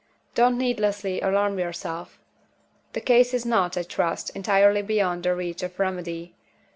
Don't needlessly alarm yourself! The case is not, I trust, entirely beyond the reach of remedy.